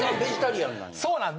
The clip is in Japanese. そうなんです。